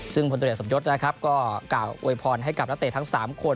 ซึ่งพลตรวจสมยศนะครับก็กล่าวอวยพรให้กับนักเตะทั้ง๓คน